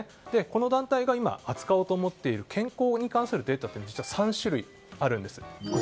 この団体が今扱おうと思っている健康に関するデータは実は３種類あります。